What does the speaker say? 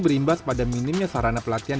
berimbas pada minimnya sarana pelatihan